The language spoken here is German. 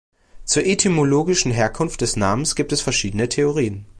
Zur etymologischen Herkunft des Namens gibt es verschiedene Theorien.